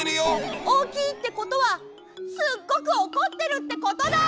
おおきいってことはすっごくおこってるってことだ！